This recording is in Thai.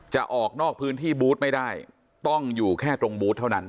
จะออกนอกพื้นที่บูธไม่ได้ต้องอยู่แค่ตรงบูธเท่านั้น